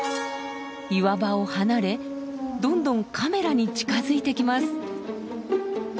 岩場を離れどんどんカメラに近づいてきます！